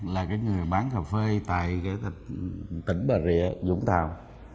là nhà bán cà phê tại tỉnh bà rịa vũng tàu